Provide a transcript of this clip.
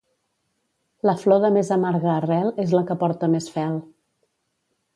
La flor de més amarga arrel és la que porta més fel.